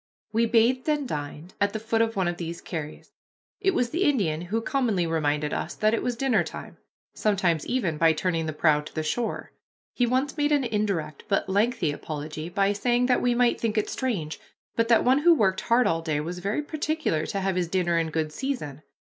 We bathed and dined at the foot of one of these carries. It was the Indian who commonly reminded us that it was dinner time, sometimes even by turning the prow to the shore. He once made an indirect, but lengthy apology, by saying that we might think it strange, but that one who worked hard all day was very particular to have his dinner in good season.